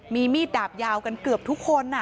มีมีดดาบยาวกันเกือบทุกคน